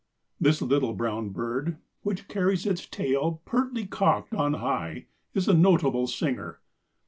This little brown bird, which carries its tail pertly cocked on high, is a notable singer.